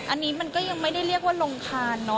อันนี้มันก็ยังไม่ได้เรียกว่าลงคานเนาะ